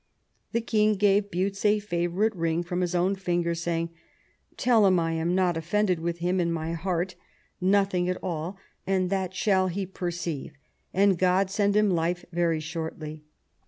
The king gave Buttes a favourite ring from his own finger, saying, " Tell him that I am not offended with him in my heart nothing at X THE FALL OF WOLSEY 193 all, and that shall he perceive, and God send hun life very shortly."